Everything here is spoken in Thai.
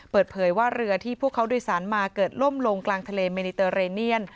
เปิดเผยว่าเรือที่พวกเขาโดยสารมาเกิดล่มลงกลางทะเลเมนิเตอร์เรเนียน